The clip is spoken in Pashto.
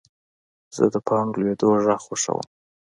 زه د پاڼو لوېدو غږ خوښوم.